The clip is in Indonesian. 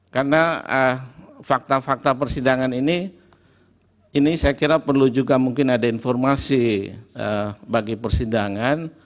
karena fakta fakta persidangan ini ini saya kira perlu juga mungkin ada informasi bagi persidangan